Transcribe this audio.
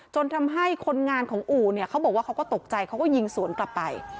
จนทำให้คนงานของอู่เนี่ยเขาบอกว่าเขาก็ตกใจเขาก็ยิงสวนกลับไป